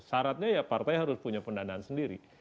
syaratnya ya partai harus punya pendanaan sendiri